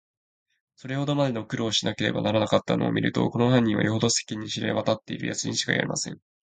それほどまでの苦労をしなければならなかったのをみると、この犯人は、よほど世間に知れわたっているやつにちがいありません。